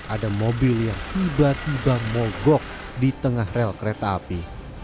ada mobil yang tiba tiba mogok di tengah rel kereta api